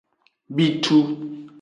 Bitu.